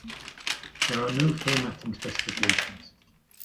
There are no formatting specifications.